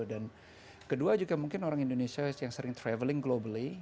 dan kedua juga mungkin orang indonesia yang sering traveling globally